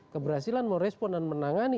keberhasilan merespon dan menangani